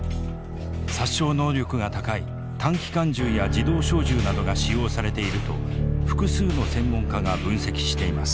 殺傷能力が高い短機関銃や自動小銃などが使用されていると複数の専門家が分析しています。